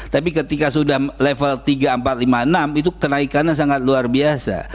tapi ketika sudah level tiga empat lima enam itu kenaikannya sangat luar biasa